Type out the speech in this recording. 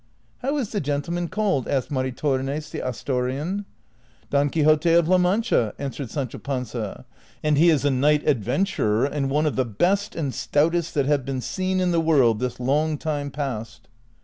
" How is the gentleman called ?" asked Maritornes the Asturian. " Don Quixote of La Mancha," answered Sancho Panza, " and he is a knight adventurer, and one of the best and stoutest that have been seen in the world this long time past."